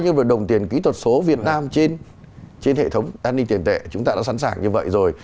nhưng mà đồng tiền kỹ thuật số việt nam trên hệ thống an ninh tiền tệ chúng ta đã sẵn sàng như vậy rồi